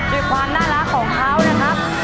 คือความน่ารักของคาวนะครับ